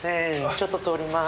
ちょっと通ります。